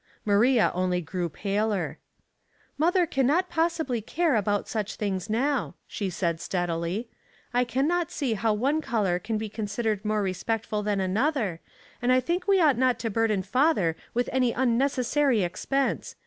Maria only grew paler. *' Mother can not possibly care about such things now," she said, steadily. " I can not see how one color can be considered more respectful than another, and I think we ought not to burden father with any unnecessary expense.